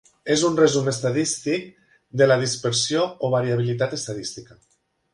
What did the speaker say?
És un resum estadístic de la dispersió o variabilitat estadística.